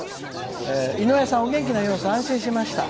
「井上さん、お元気な様子で安心しました。